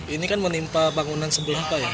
ini kan menimpa bangunan sebelum pak ya